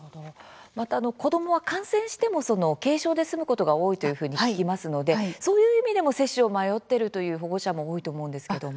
また、子どもは感染しても軽症で済むことが多いというふうに聞きますのでそういう意味でも接種を迷っているという保護者も多いと思うんですけど。